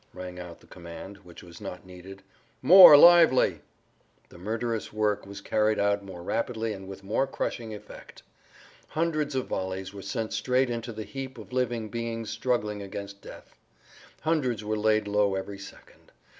rang out the command which was not needed. "More lively!" The murderous work was carried out more rapidly and with more crushing effect. Hundreds of volleys were sent straight into the heap of living beings struggling against death. Hundreds were laid low every second.